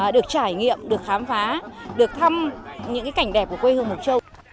được trải nghiệm được khám phá được thăm những cảnh đẹp của quê hương mộc châu